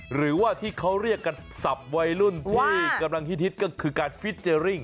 หรือว่าที่เขาเรียกกันสับวัยรุ่นที่กำลังฮิตก็คือการฟิเจอร์ริ่ง